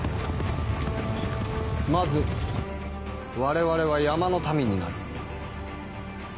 まず我々は山の民になる。